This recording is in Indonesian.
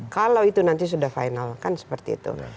kalau itu nanti sudah final kan seperti itu